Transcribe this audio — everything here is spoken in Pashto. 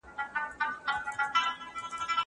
تعليم شوې نجونې د ګډو پروژو همکاري زياتوي.